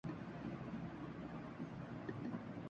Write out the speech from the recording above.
یہ کتاب کب تک واپس کرنی ہے؟